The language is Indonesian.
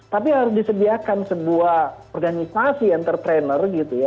tapi harus disediakan sebuah organisasi yang ter trainer gitu ya